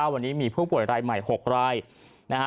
วันนี้มีผู้ป่วยรายใหม่๖รายนะฮะ